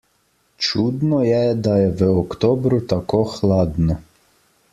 Čudno je, da je v oktobru tako hladno.